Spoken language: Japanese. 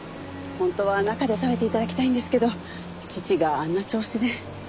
本当は中で食べて頂きたいんですけど父があんな調子で。